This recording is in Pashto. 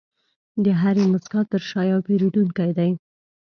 د هرې موسکا تر شا یو پیرودونکی دی.